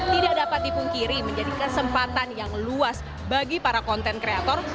tidak dapat dipungkiri menjadi kesempatan yang luas bagi para konten kreator